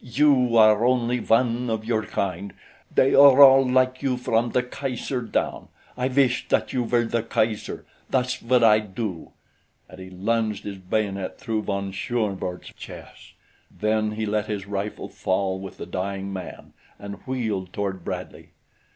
You are only one of your kind they are all like you from the Kaiser down. I wish that you were the Kaiser. Thus would I do!" And he lunged his bayonet through von Schoenvorts' chest. Then he let his rifle fall with the dying man and wheeled toward Bradley.